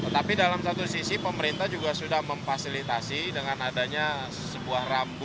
tapi dalam satu sisi pemerintah juga sudah memfasilitasi dengan adanya sebuah rambu